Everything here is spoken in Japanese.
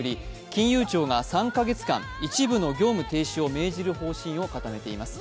金融庁が３か月間の一部の業務停止を命じる方針を固めています。